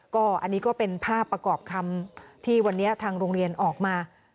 ก็อันนี้ก็เป็นภาพประกอบคำที่วันนี้ทางโรงเรียนออกมา